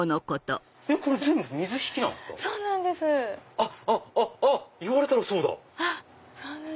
あっ言われたらそうだ！